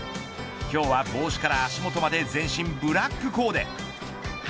今日は帽子から足元まで全身ブラックコーデ。